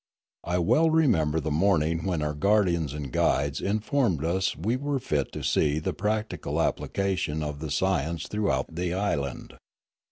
I well remember the morning when our guardians and guides informed us we were fit to see the practical applica tions of the science throughout the island.